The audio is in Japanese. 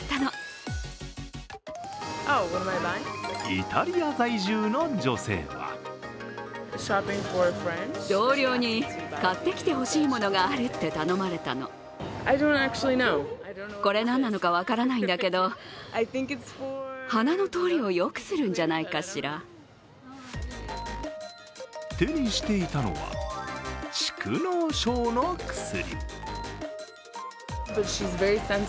イタリア在住の女性は手にしていたのは、蓄のう症の薬。